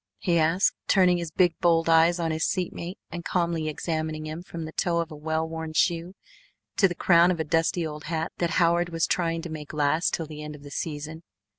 he asked, turning his big, bold eyes on his seatmate and calmly examining him from the toe of a well worn shoe to the crown of a dusty old hat that Howard was trying to make last till the end of the season.